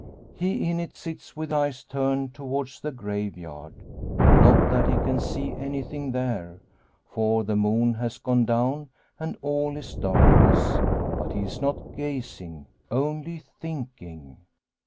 He in it sits with eyes turned towards the graveyard. Not that he can see anything there, for the moon has gone down, and all is darkness. But he is not gazing, only thinking.